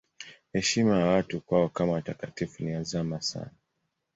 Heshima ya watu kwao kama watakatifu ni ya zamani sana.